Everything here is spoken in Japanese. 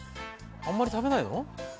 あまり食べないの？